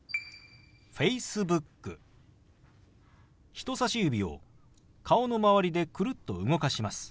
人さし指を顔の周りでくるっと動かします。